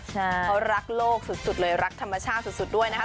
เขารักโลกสุดเลยรักธรรมชาติสุดด้วยนะครับ